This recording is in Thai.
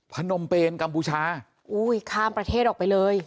พนมเปนกัมพูชาอุ้ยข้ามประเทศออกไปเลย